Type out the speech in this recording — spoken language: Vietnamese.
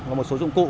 và một số dụng cục